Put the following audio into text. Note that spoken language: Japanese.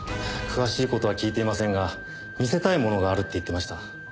詳しい事は聞いていませんが見せたいものがあるって言ってました。